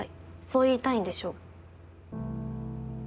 そう言いたいんでしょ？